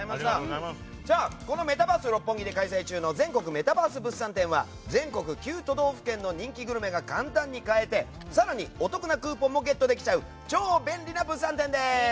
メタバース六本木で開催中の「全国メタバース物産展」は全国９都道府県の人気グルメが簡単に買えて更にお得なクーポンもゲットできちゃう超便利な物産展です。